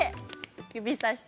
指さして！